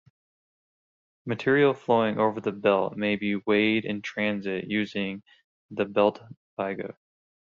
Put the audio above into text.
Material flowing over the belt may be weighed in transit using a beltweigher.